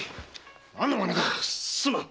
何の真似だ⁉すまん！